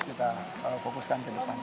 kita fokuskan ke depan